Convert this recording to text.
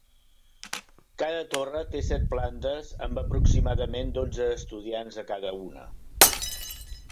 Cada torre té set plantes amb aproximadament dotze estudiants a cada una.